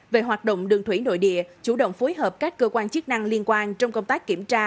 về hoạt động đường thủy nội địa chủ động phối hợp các cơ quan chức năng liên quan trong công tác kiểm tra